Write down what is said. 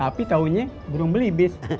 tapi taunya burung beli bis